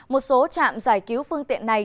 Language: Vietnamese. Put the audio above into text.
một số trạm giải cứu phương tiện này